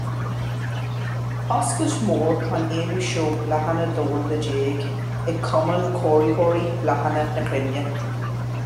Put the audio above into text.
Oscailt Mór an aonú Seó Bláthanna Domhanda déag ag Cumann Cóiritheoirí Bláthanna na Cruinne.